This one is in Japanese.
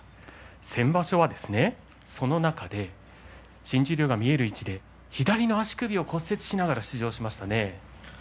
先場所は、その中で新十両が見える位置で左の足首を骨折しながら出場しましたね。